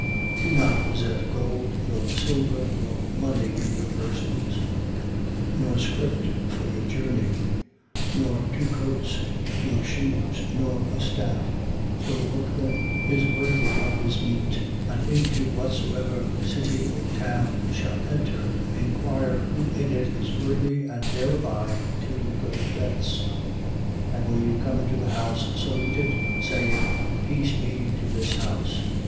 10:9. Do not possess gold, nor silver, nor money in your purses: 10:10. Nor scrip for your journey, nor two coats, nor shoes, nor a staff; for the workman is worthy of his meat. 10:11. And into whatsoever city or town you shall enter, inquire who in it is worthy, and there abide till you go thence. 10:12. And when you come into the house, salute it, saying: Peace be to this house.